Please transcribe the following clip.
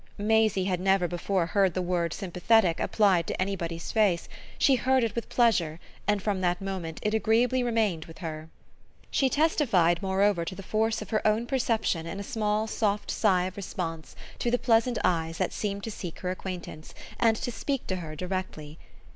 Maisie had never before heard the word "sympathetic" applied to anybody's face; she heard it with pleasure and from that moment it agreeably remained with her. She testified moreover to the force of her own perception in a small soft sigh of response to the pleasant eyes that seemed to seek her acquaintance, to speak to her directly.